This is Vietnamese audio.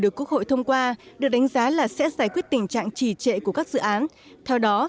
được quốc hội thông qua được đánh giá là sẽ giải quyết tình trạng trì trệ của các dự án theo đó